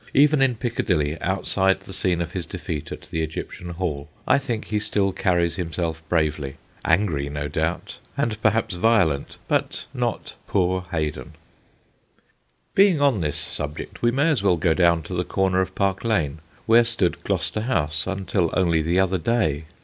Even in Piccadilly, outside the scene of his defeat at the Egyptian Hall, I think he still carries himself bravely ; angry, no doubt, and per haps violent, but not * poor Hay don/ Being on this subject, we may as well go down to the corner of Park Lane, where stood Gloucester House until only the other day.